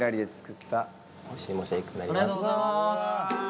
ありがとうございます。